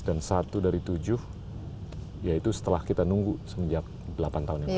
dan satu dari tujuh ya itu setelah kita nunggu semenjak delapan tahun yang lalu